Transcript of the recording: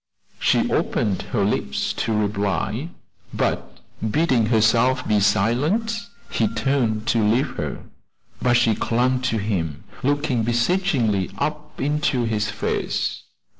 She opened her lips to reply, but bidding her be silent, he turned to leave her; but she clung to him, looking beseechingly up into his face.